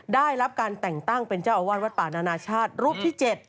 ได้รับการแต่งตั้งเป็นเจ้าอาวาสวัดป่านานาชาติรูปที่๗